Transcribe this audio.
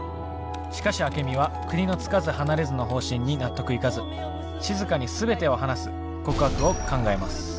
しかしアケミは国のつかず離れずの方針に納得いかずしずかに全てを話す告白を考えます。